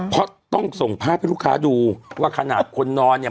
เพราะต้องส่งภาพให้ลูกค้าดูว่าขนาดคนนอนเนี่ย